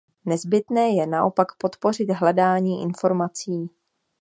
Nezbytné je naopak podpořit hledání informací.